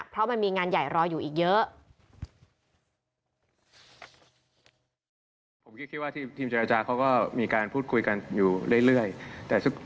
เพราะมันมีงานใหญ่รออยู่อีกเยอะ